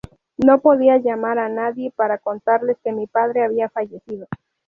No podía llamar a nadie para contarles que mi padre había fallecido.